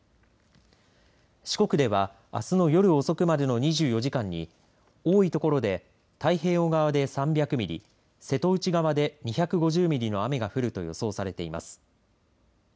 四国では、あすの夜遅くまでの２４時間に多いところで太平洋側で３００ミリ瀬戸内側で２５０ミリの雨が降ると予想されています。